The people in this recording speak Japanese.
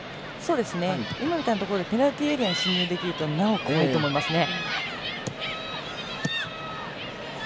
今みたいなところでペナルティーエリアに進入できるとなお、怖いと思いますね。